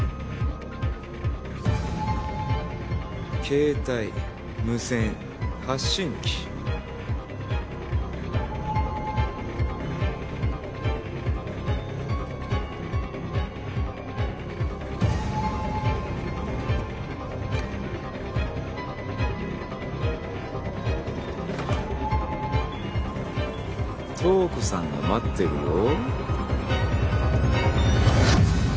携帯無線発信機東子さんが待ってるよ